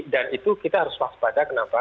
dan itu kita harus waspada kenapa